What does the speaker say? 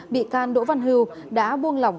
bị can đỗ văn hưu đã buông lỏng